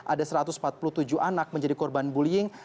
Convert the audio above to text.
ada satu ratus empat puluh tujuh anak menjadi korban bullying